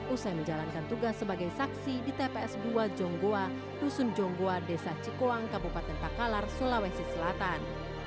usai menjalankan tugas sebagai saksi di tps dua jonggoa dusun jonggoa desa cikoang kabupaten pakalar sulawesi selatan